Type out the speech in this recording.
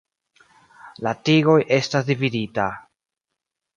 La tigoj estas dividita.